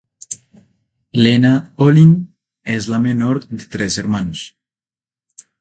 Lena Olin es la menor de tres hermanos.